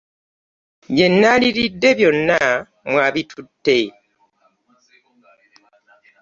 Bye nandiridde byonna mwabitutte.